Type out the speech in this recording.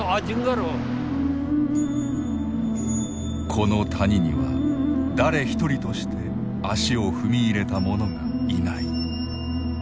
この谷には誰一人として足を踏み入れた者がいない。